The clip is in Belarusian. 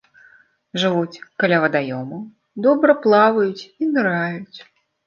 Жывуць каля вадаёмаў, добра плаваюць і ныраюць.